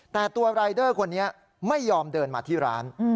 แต่ตัวรายเดอร์คนนี้ไม่ยอมเดินมาที่ร้าน